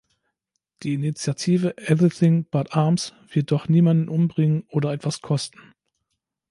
Die Initiative everything but arms wird doch niemanden umbringen oder etwas kosten.